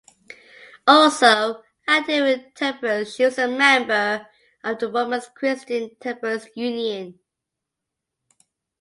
Also active in temperance, she was a member of the Woman's Christian Temperance Union.